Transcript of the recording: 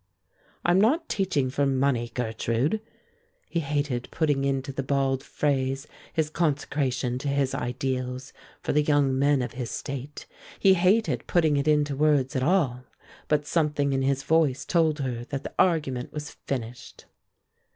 "I am not teaching for money, Gertrude." He hated putting into the bald phrase his consecration to his ideals for the young men of his State; he hated putting it into words at all; but something in his voice told her that the argument was finished.